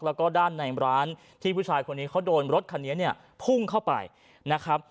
แล้วก็ด้านในร้านที่ผู้ชายคนนี้เขาโดนรถคันนี้เนี่ยพุ่งเข้าไปนะครับ